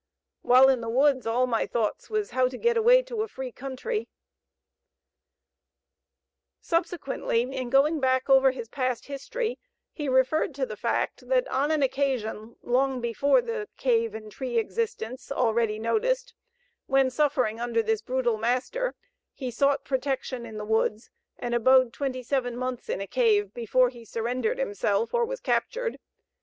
While in the woods all my thoughts was how to get away to a free country." Subsequently, in going back over his past history, he referred to the fact, that on an occasion long before the cave and tree existence, already noticed, when suffering under this brutal master, he sought protection in the woods and abode twenty seven months in a cave, before he surrendered himself, or was captured.